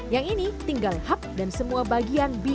yang ini tinggal hap dan semua bagian bisa